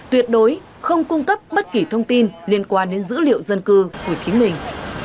tuyệt đối không cung cấp bất kỳ thông tin liên quan đến dữ liệu dân cư của chính mình